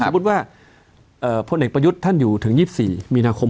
มุติว่าพลเอกประยุทธ์ท่านอยู่ถึง๒๔มีนาคม